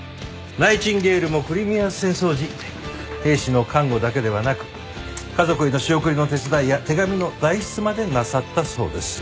ナイチンゲールもクリミア戦争時兵士の看護だけではなく家族への仕送りの手伝いや手紙の代筆までなさったそうです。